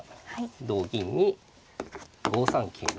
同銀に５三桂成。